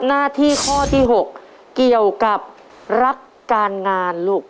หน้าที่ข้อที่๖เกี่ยวกับรักการงานลูก